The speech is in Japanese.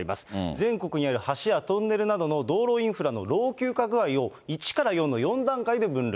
全国にある橋やトンネルなどの道路インフラの老朽化具合を、１から４の４段階で分類。